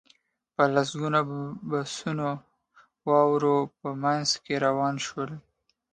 په لسګونه بسونه د واورو په منځ کې روان شول